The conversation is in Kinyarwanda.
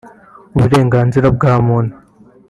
Uburenganzira bwa muntu